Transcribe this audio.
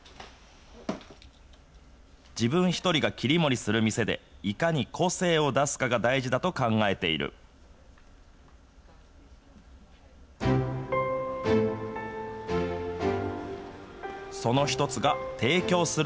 自分一人が切り盛りする店で、いかに個性を出すかが大事だと考えている。